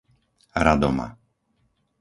Radoma